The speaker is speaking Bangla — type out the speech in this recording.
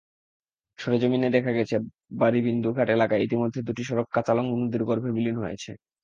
সরেজমিনে দেখা গেছে, বারিবিন্দুঘাট এলাকায় ইতিমধ্যে দুটি সড়ক কাচালং নদীর গর্ভে বিলীন হয়েছে।